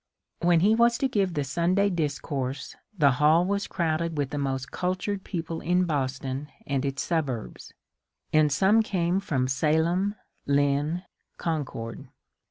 When he was to give the Sunday discourse the hall was crowded with the most cultured people in Boston and its suburbs, and some came from Salem, Lynn, Concord.